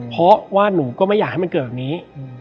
เพราะว่าหนูก็ไม่อยากให้มันเกิดแบบนี้